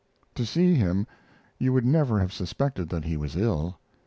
] To see him you would never have suspected that he was ill.